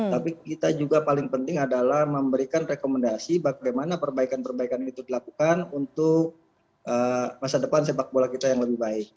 tapi kita juga paling penting adalah memberikan rekomendasi bagaimana perbaikan perbaikan itu dilakukan untuk masa depan sepak bola kita yang lebih baik